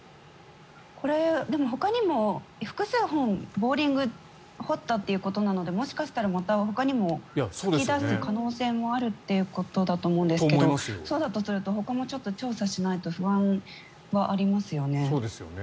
これ、ほかにも複数本ボーリング掘ったということなのでもしかしたらまたほかにも噴き出す可能性もあるということだと思うんですけどそうだとするとほかもちょっと調査しないと不安はありますよね。